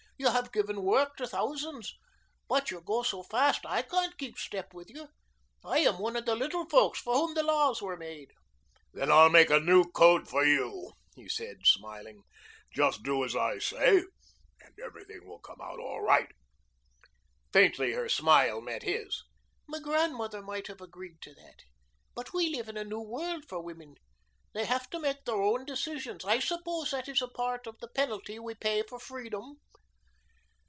You have given work to thousands. But you go so fast I can't keep step with you. I am one of the little folks for whom laws were made." "Then I'll make a new code for you," he said, smiling. "Just do as I say and everything will come out right." Faintly her smile met his. "My grandmother might have agreed to that. But we live in a new world for women. They have to make their own decisions. I suppose that is a part of the penalty we pay for freedom."